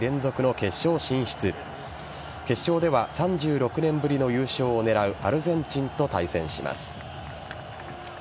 決勝では３６年ぶりの優勝を狙うアルゼンチンと対戦します。